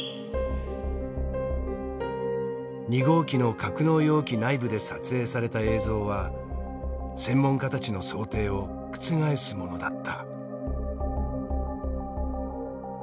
２号機の格納容器内部で撮影された映像は専門家たちの想定を覆すものだった。